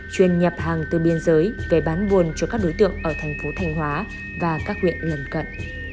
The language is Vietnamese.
chuyên nhập hàng từ biên giới về bán buôn cho các đối tượng ở thành phố thanh hóa và các huyện lần cận